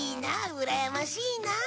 うらやましいなあ。